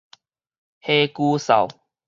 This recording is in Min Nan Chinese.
痚呴嗽